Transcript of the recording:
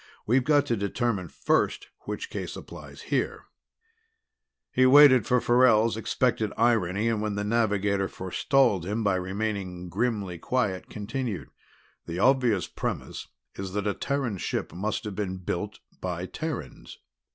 We've got to determine first which case applies here." He waited for Farrell's expected irony, and when the navigator forestalled him by remaining grimly quiet, continued. "The obvious premise is that a Terran ship must have been built by Terrans.